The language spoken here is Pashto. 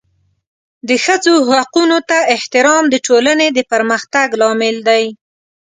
د ښځو حقونو ته احترام د ټولنې د پرمختګ لامل دی.